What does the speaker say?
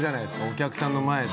お客さんの前で。